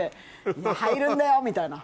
いや入るんだよみたいな。